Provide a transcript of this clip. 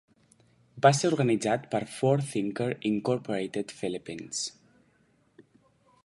Va ser organitzat per Forthinker Incorporated Philippines.